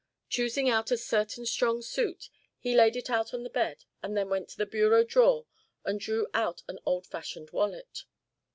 Choosing out a certain strong suit, he laid it out on the bed and then went to a bureau drawer and drew out an old fashioned wallet.